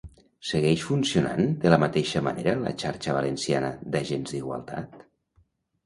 Segueix funcionant de la mateixa manera la Xarxa Valenciana d'Agents d'Igualtat?